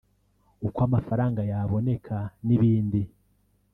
uko amafaranga yaboneka n’ibindi